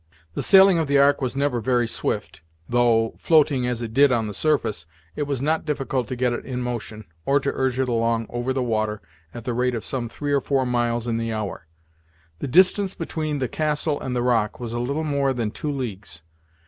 The sailing of the ark was never very swift, though, floating as it did on the surface, it was not difficult to get it in motion, or to urge it along over the water at the rate of some three or four miles in the hour. The distance between the castle and the rock was a little more than two leagues.